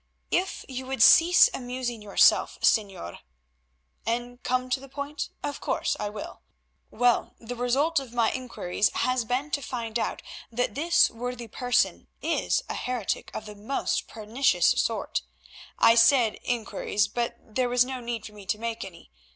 "If you would cease amusing yourself, Señor——" "And come to the point? Of course I will. Well, the result of my inquiries has been to find out that this worthy person is a heretic of the most pernicious sort. I said inquiries, but there was no need for me to make any.